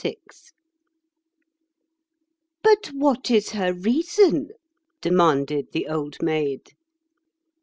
VI "BUT what is her reason?" demanded the Old Maid.